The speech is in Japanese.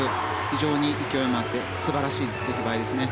非常に勢いもあって素晴らしい出来栄えですね。